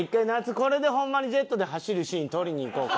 これでホンマにジェットで走るシーン撮りに行こうか。